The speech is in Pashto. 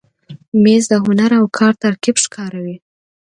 مېز د هنر او کار ترکیب ښکاروي.